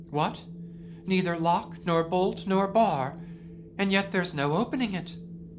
What? neither lock, nor bolt, nor bar; and yet there's no opening it.